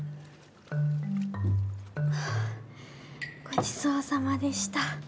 ごちそうさまでした。